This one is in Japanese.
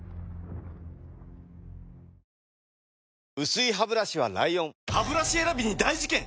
薄いハブラシは ＬＩＯＮハブラシ選びに大事件！